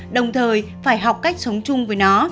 đồng thời phải học cách sống chung với nó